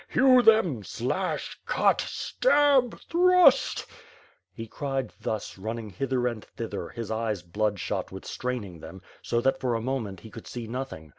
Hew them! Slash! Cut! Stab! Thrust!'^ He cried thus, running hither and thither, his eyes blood shot with straining them, so that for a moment he could see nothing.